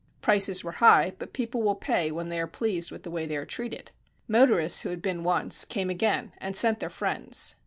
Prices were high, but people will pay when they are pleased with the way they are treated. Motorists who had been once came again and sent their friends.